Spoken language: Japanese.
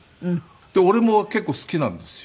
で俺も結構好きなんですよ。